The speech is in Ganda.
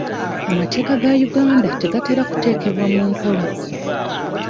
Amateeka ga Uganda tegatera kuteekebwa mu nkola.